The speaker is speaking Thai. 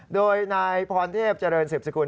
โดยนายพรเทพเจริญสิบสกุล